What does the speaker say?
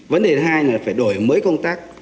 vấn đề thứ hai là phải đổi mới công tác